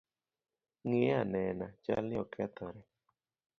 Ng’iye anena, chalni okethore.